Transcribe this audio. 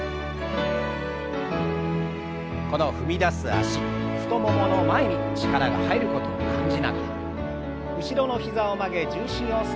この踏み出す脚太ももの前に力が入ることを感じながら後ろの膝を曲げ重心を少し押し下げましょう。